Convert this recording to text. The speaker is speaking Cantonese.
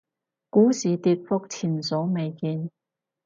股市跌幅前所未見